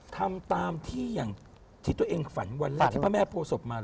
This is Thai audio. ทำตามที่ที่ตัวเองฝันวันแรกที่พระแม่โภโสสมาเลย